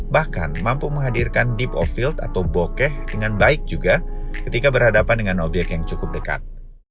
bahkan mampu menghadirkan deep offield atau bokeh dengan baik juga ketika berhadapan dengan obyek yang cukup dekat